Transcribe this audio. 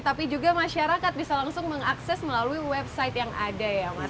tapi juga masyarakat bisa langsung mengakses melalui website yang ada ya mas